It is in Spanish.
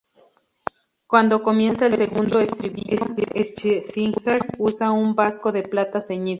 Cuando comienza el segundo estribillo, Scherzinger usa un vasco de plata ceñido.